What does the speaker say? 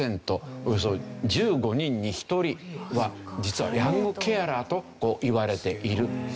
およそ１５人に１人は実はヤングケアラーといわれている。